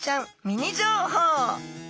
ミニ情報！